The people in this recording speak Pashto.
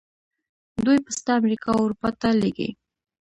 دوی پسته امریکا او اروپا ته لیږي.